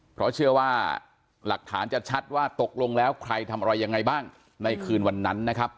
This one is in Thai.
เพราะเชื่อว่าหลักฐานจะชัดว่าตกลงแล้วใครทำอะไรยังไงบ้างในคืนวันนั้นนะครับ